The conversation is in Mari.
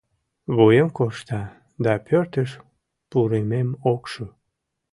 Вуем коршта да пӧртыш пурымем ок шу.